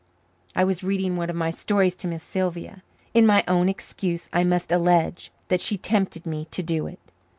I was reading one of my stories to Miss Sylvia. In my own excuse I must allege that she tempted me to do it.